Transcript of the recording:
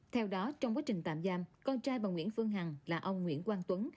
theo đó trong quá trình tạm giam con trai bà nguyễn phương hằng là ông nguyễn quang tuấn